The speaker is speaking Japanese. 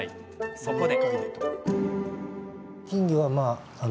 そこで。